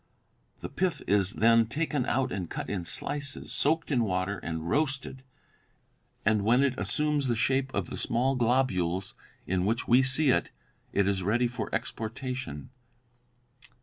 The pith is then taken out and cut in slices, soaked in water and roasted; and when it assumes the shape of the small globules in which we see it, it is ready for exportation."